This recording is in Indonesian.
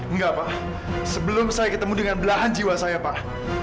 enggak pak sebelum saya ketemu dengan belahan jiwa saya pak